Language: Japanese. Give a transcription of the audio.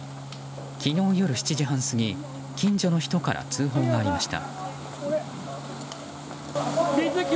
昨日夜７時半過ぎ近所の人から通報がありました。